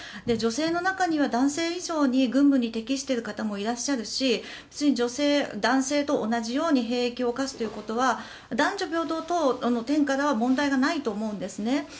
女性の中には男性以上に軍務に適している方もいらっしゃるし女性が男性と同じように兵役を課すということは男女平等の点からは問題がないと思うんですね。